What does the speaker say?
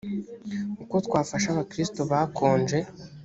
uko twafasha abakristo bakonje